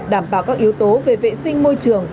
đảm bảo các yếu tố về vệ sinh môi trường